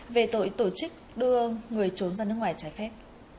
về tội tổ chức đưa người trốn ra nước ngoài trái phép